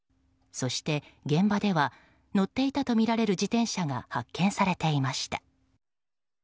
そして、現場では乗っていたとみられる自転車が発見されていました。